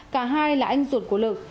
cả hai là anh ruột của lực